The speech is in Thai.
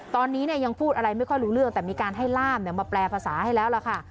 ตอนนี้ยังพูดอะไรไม่ค่อยรู้เรื่องแต่มีการให้ล่ามมาแปลภาษาให้แล้วล่ะค่ะ